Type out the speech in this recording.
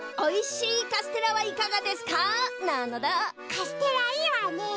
カステラいいわね。